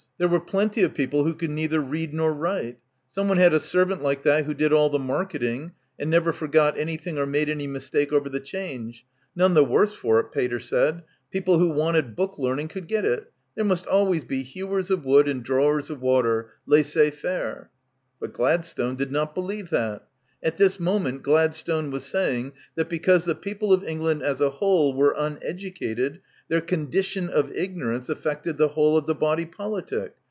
There were plenty of people who could neither read nor write. Someone had a servant like that who did all the marketing and never forgot any thing or made any mistake over the change — none the worse for it, pater said, people who wanted book learning could get it, there must always be hewers of wood and drawers of water, laissez faire. But Gladstone did not believe that. At this mo ment Gladstone was saying that because the peo ple of England as a whole were uneducated their "condition of ignorance" affected the whole of the "body politic."